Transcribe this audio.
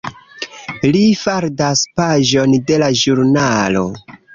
Li faldas paĝon de la ĵurnalo.